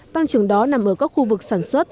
tăng trưởng đó nằm ở các khu vực sản xuất